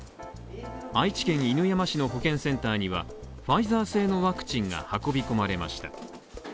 愛知県犬山市の保健センターにはファイザー製のワクチンが運び込まれました。